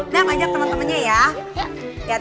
nah banyak teman temannya ya